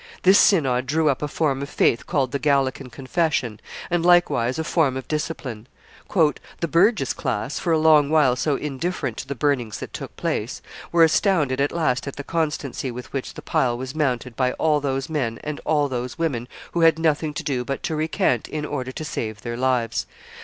This synod drew up a form of faith called the Gallican Confession, and likewise a form of discipline. "The burgess class, for a long while so indifferent to the burnings that took place, were astounded at last at the constancy with which the pile was mounted by all those men and all those women who had nothing to do but to recant in order to save their lives.